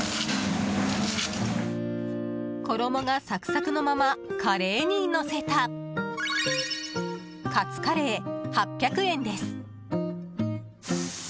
衣がサクサクのままカレーにのせたカツカレー、８００円です。